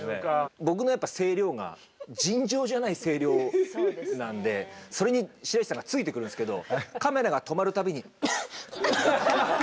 僕のやっぱ声量が尋常じゃない声量なんでそれに白石さんがついてくるんですけどカメラが止まるたびに。